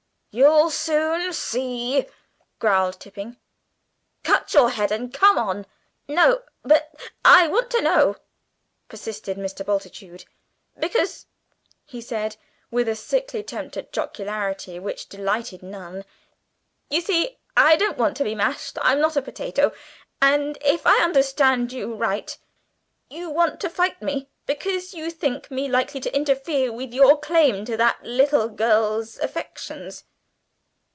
"You'll soon see," growled Tipping. "Shut your head, and come on!" "No, but I want to know," persisted Mr. Bultitude. "Because," he said with a sickly attempt at jocularity which delighted none, "you see, I don't want to be mashed. I'm not a potato. If I understand you aright, you want to fight me because you think me likely to interfere with your claim to that little girl's ah affections?"